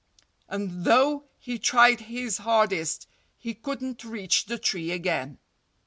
And though he tried his hardest, he couldn't reach the tree again.